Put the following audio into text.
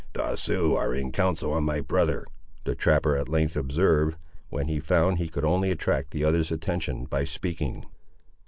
"The Siouxes are in council on my brother," the trapper at length observed, when he found he could only attract the other's attention by speaking.